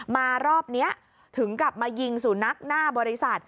รอบนี้ถึงกลับมายิงสุนัขหน้าบริษัท